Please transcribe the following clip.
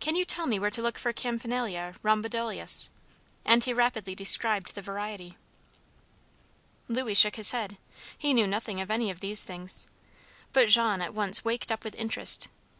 Can you tell me where to look for Campanila rhomboidalis?" and he rapidly described the variety. Louis shook his head. He knew nothing of any of these things. But Jean at once waked up with interest.